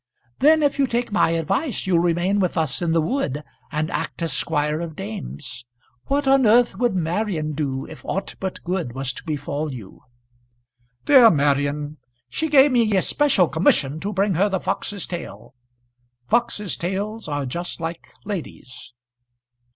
"Then, if you take my advice, you'll remain with us in the wood, and act as squire of dames. What on earth would Marian do if aught but good was to befall you?" "Dear Marian! She gave me a special commission to bring her the fox's tail. Foxes' tails are just like ladies."